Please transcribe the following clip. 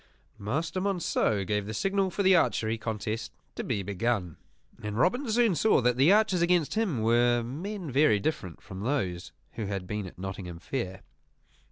Master Monceux gave the signal for the archery contest to be begun; and Robin soon saw that the archers against him were men very different from those who had been at Nottingham Fair.